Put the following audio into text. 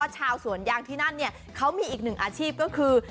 ชาวสวนยางที่นั่นเนี่ยเขามีอีกหนึ่งอาชีพก็คือ